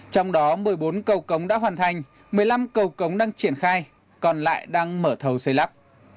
trong đó một mươi bốn cầu cống đã hoàn thành một mươi năm cầu cống đang triển khai còn lại đang mở thầu xây lắp